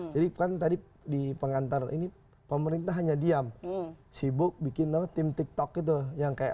jadikan tadi di pengantar ini pemerintah hanya diam sibuk bikin tim tik tok itu yang kayak